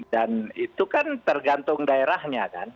dan itu kan tergantung daerahnya kan